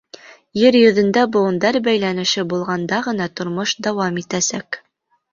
Ер йөҙөндә быуындар бәйләнеше булғанда ғына тормош дауам итәсәк.